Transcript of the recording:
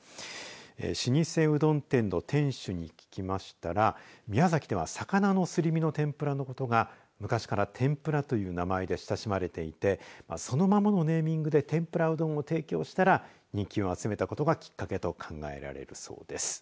老舗うどん店の店主に聞きましたら宮崎では魚のすり身の天ぷらのことが昔から天ぷらという名前で親しまれていてそのままのネーミングで天ぷらうどんを提供したら人気を集めたことがきっかけと考えられるそうです。